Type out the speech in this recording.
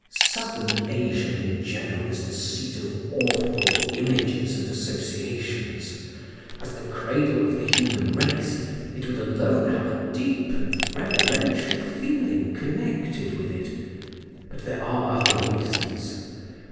Southern Asia in general is the seat of awful images and associations. As the cradle of the human race, it would alone have a dim and reverential feeling connected with it. But there are other reasons.